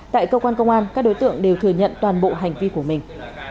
tại cơ quan công an các đối tượng đều thừa nhận toàn bộ hành vi của mình